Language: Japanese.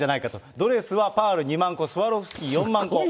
ドレスはパール２万個、スワロフスキー４万個。